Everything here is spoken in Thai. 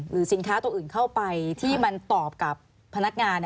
สินค้าตัวอื่นเข้าไปที่มันตอบกับพนักงาน